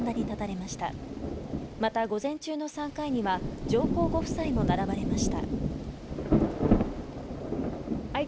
また午前中の３回には上皇ご夫妻も並ばれました。